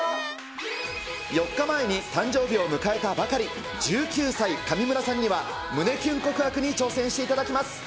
４日前に誕生日を迎えたばかり、１９歳、上村さんには、胸キュン告白に挑戦していただきます。